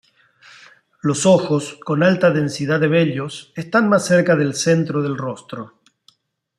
Los ojos, con alta densidad de vellos, están más cerca del centro del rostro.